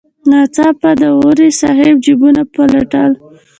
ناڅاپه داوري صاحب جیبونه پلټل.